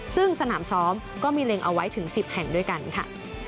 ซึ่งสนามซ้อมก็มีเล็งเอาไว้ถึง๑๐แห่งด้วยกันค่ะ